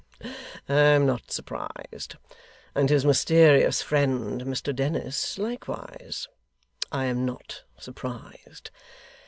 I am not surprised. And his mysterious friend Mr Dennis, likewise! I am not surprised.